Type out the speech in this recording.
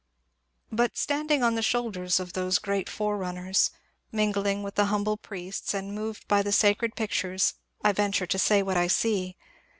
But standing on the shoulder of those great forerunners, — mingling with the humble priests and moved by the sacred pictures, — I venture to say what I see.